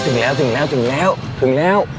ถึงแล้วถึงแล้วถึงแล้วถึงแล้ว